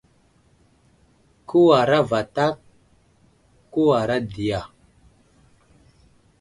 Kəwara vatak ,kəwara di ya ?